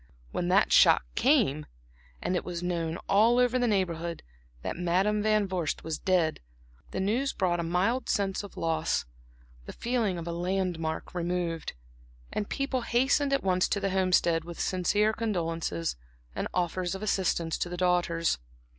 When that shock came, and it was known all over the Neighborhood that Madam Van Vorst was dead, the news brought a mild sense of loss, the feeling of a landmark removed; and people hastened at once to the Homestead with sincere condolences and offers of assistance to the daughters.